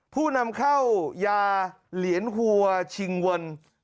ผู้นำเข้ายาเหรียญหัวชิงวน